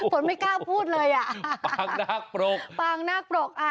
ผมไม่กล้าพูดเลยอะปางนักปรก